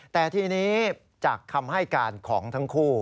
แต่ทีนี้จากคำให้การของทั้งคู่